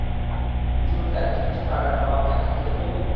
ইতিমধ্যে আরেকটি প্রচন্ড আঘাত তার বাম হাত কেটে ফেলল।